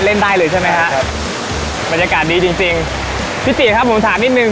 เล่นได้เลยใช่ไหมฮะครับบรรยากาศดีจริงจริงพี่ติครับผมถามนิดนึง